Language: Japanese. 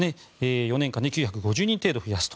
４年間で９５０人程度増やすと。